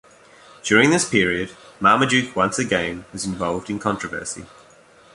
During this period, Marmaduke once again was involved in controversy.